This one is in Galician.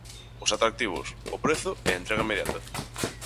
Os atractivos: o prezo, e a entrega inmediata.